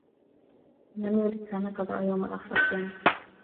لم يرد سامي قضاء يوم آخر في مصر.